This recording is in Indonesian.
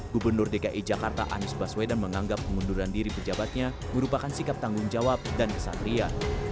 gubernur dki jakarta anies baswedan menganggap pengunduran diri pejabatnya merupakan sikap tanggung jawab dan kesatria